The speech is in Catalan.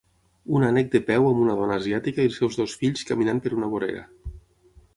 Un ànec de peu amb una dona asiàtica i els seus dos fills caminant per una vorera.